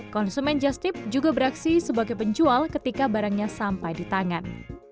konsumen just tip juga beraksi sebagai penjual ketika barangnya sampai di tangan